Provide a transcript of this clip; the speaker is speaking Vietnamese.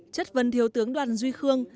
chất vấn thiếu tướng đoàn duy khương